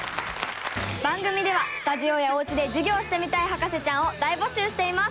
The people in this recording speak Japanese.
番組ではスタジオやおうちで授業をしてみたい博士ちゃんを大募集しています！